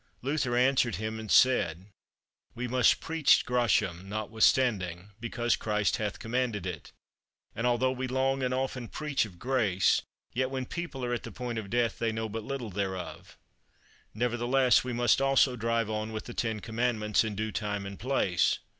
Luther answered him and said: We must preach Gratiam, notwithstanding, because Christ hath commanded it. And although we long and often preach of grace, yet when people are at the point of death they know but little thereof. Nevertheless we must also drive on with the Ten Commandments in due time and place.